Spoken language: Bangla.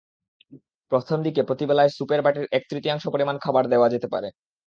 প্রথম দিকে প্রতিবেলায় স্যুপের বাটির এক-তৃতীয়াংশ পরিমাণ খাবার দেওয়া যেতে পারে।